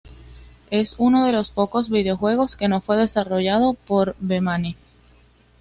Es uno de los pocos videojuegos que no fue desarrollado por Bemani.